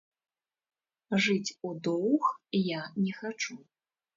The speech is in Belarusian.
Жыць у доўг я не хачу.